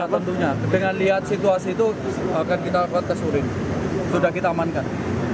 tentunya dengan lihat situasi itu akan kita lakukan tes urin sudah kita amankan